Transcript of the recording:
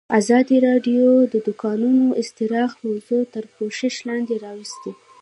ازادي راډیو د د کانونو استخراج موضوع تر پوښښ لاندې راوستې.